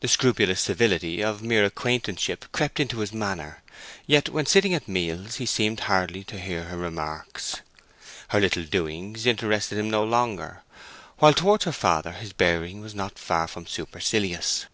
The scrupulous civility of mere acquaintanceship crept into his manner; yet, when sitting at meals, he seemed hardly to hear her remarks. Her little doings interested him no longer, while towards her father his bearing was not far from supercilious.